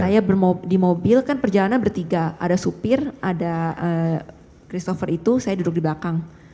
saya di mobil kan perjalanan bertiga ada supir ada christopher itu saya duduk di belakang